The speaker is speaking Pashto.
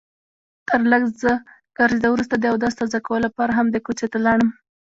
تر لږ څه ګرځېدو وروسته د اودس تازه کولو لپاره همدې کوڅې ته لاړم.